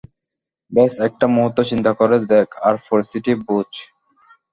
ব্যস একটা মুহুর্ত চিন্তা করে দেখ আর পরিস্থিতিটা বোঝ।